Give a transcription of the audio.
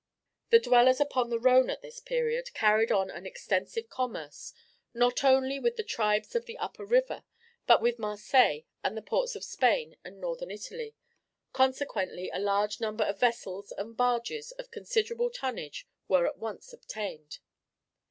The dwellers upon the Rhone at this period carried on an extensive commerce, not only with the tribes of the upper river, but with Marseilles and the ports of Spain and Northern Italy, consequently a large number of vessels and barges of considerable tonnage were at once obtained.